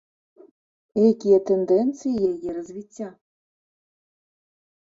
Якія тэндэнцыі яе развіцця?